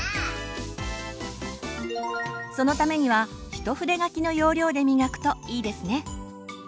そのためには一筆書きの要領でみがくといいですね。